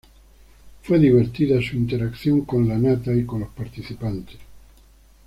Fue divertida su interacción con Lanata y con los participantes.